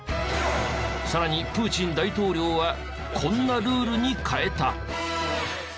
さらにプーチン大統領はこんなルールに変えた。